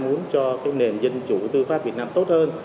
muốn cho cái nền dân chủ tư pháp việt nam tốt hơn